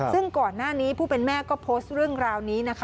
ซึ่งก่อนหน้านี้ผู้เป็นแม่ก็โพสต์เรื่องราวนี้นะคะ